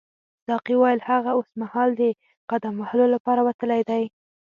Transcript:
ساقي وویل هغه اوسمهال د قدم وهلو لپاره وتلی دی.